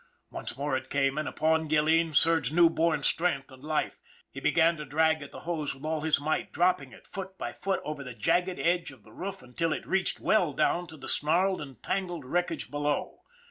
Once more it came and upon Gilleen surged new born strength and life. He began to drag at the hose with all his might, dropping it foot by foot over the jagged edge of the roof until it reached well down to the snarled and tangled wreckage below.